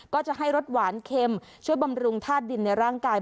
ก็จะให้รสหวานเค็มช่วยบำรุงธาตุดินในร่างกาย